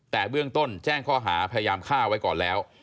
แต่เบื้องต้นแจ้งข้อหาพยายามฆ่าไว้ก่อนแล้ว